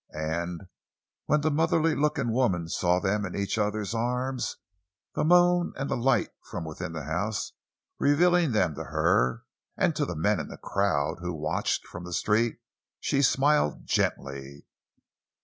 And when the motherly looking woman saw them in each other's arms, the moon and the light from within the house revealing them to her, and to the men in the crowd who watched from the street, she smiled gently.